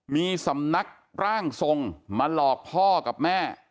มีสำนักร่างทรงมาหลอกพ่อกับแม่